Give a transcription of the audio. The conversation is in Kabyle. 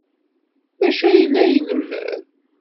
D acu ay la ilemmed?